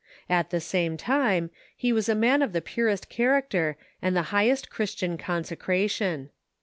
At the same time, he was a man of the purest character and the highest Christian consecration.